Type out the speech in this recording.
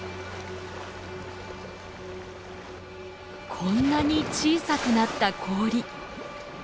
こんなに小さくなった氷。